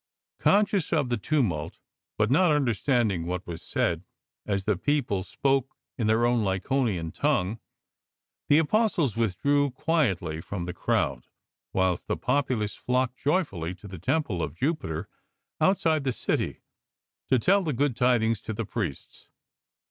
Conscious of the tmnult, but not understanding what was said, as the people spoke in their own Lycaonian tongue, the Apostles withdrew quietly from the crowd, whilst the populace flocked joyfully to the temple of Jupiter outside the city to tell the LIFE OF ST. PAUL good tidings to the priests.